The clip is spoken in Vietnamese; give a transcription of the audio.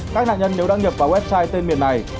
các nạn nhân nếu đăng nhập vào website tên miền này